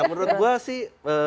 menurut gue sih